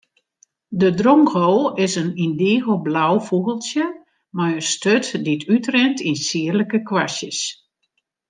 De drongo is in yndigoblau fûgeltsje mei in sturt dy't útrint yn sierlike kwastjes.